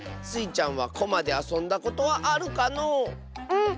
スイちゃんはコマであそんだことはあるかのう？